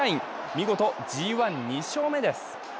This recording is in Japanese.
見事、ＧⅠ・２勝目です。